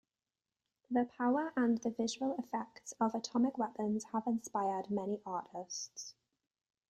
The power and the visual effects of atomic weapons have inspired many artists.